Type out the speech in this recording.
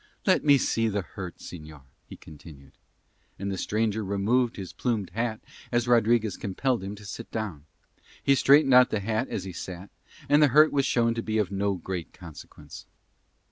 "Let me see the hurt, señor," he continued. And the stranger removed his plumed hat as Rodriguez compelled him to sit down. He straightened out the hat as he sat, and the hurt was shown to be of no great consequence.